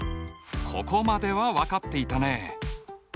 ここまでは分かっていたね。